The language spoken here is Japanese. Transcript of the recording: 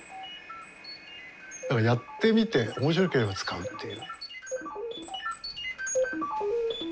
だからやってみて面白ければ使うっていう。